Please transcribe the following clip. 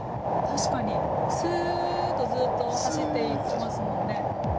確かにスーッとずっと走っていきますもんね。